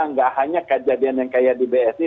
nggak hanya kejadian yang kayak di bsi